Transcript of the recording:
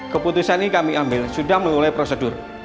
keputusan ini kami ambil sudah melalui prosedur